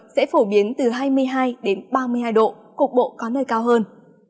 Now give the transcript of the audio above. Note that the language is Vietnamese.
sẽ phổ biến từ hai mươi hai ba mươi hai độ cục bộ có nơi cao hơn